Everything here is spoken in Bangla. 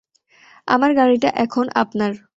আমার গাড়িটা এখন আপনার।